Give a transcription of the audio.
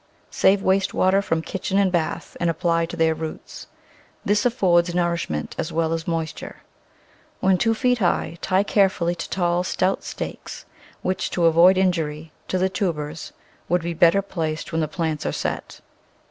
Save waste water from kitchen and bath, and apply to their roots. This affords nourishment as well as moisture. When two feet high tie carefully to tall, stout stakes, which, to avoid injury to the tu bers, would better be placed when the plants are set.